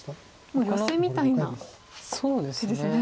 もうヨセみたいな手ですね。